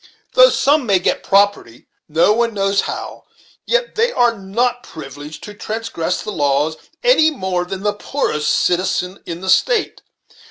Though some may get property, no one knows how, yet they are not privileged to transgress the laws any more than the poorest citizen in the State.